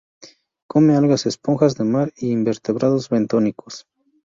Come algas, esponjas de mar y invertebrados bentónicos.